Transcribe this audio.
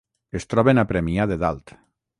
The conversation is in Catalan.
Es troben a Premià de Dalt.